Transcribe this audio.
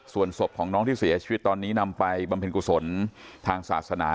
ส่วนศพของน้องที่เสียชีวิตตอนนี้นำไปบำเพ็ญกุศลทางศาสนา